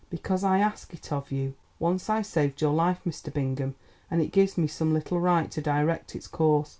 "Because I ask it of you. Once I saved your life, Mr. Bingham, and it gives me some little right to direct its course.